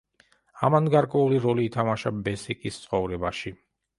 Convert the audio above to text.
ამან გარკვეული როლი ითამაშა ბესიკის ცხოვრებაში.